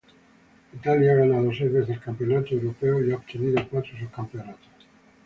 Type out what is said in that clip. Italia ha ganado seis veces el Campeonato Europeo y ha obtenido cuatro subcampeonatos.